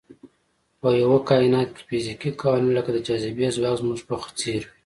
په یوه کاینات کې فزیکي قوانین لکه د جاذبې ځواک زموږ په څېر وي.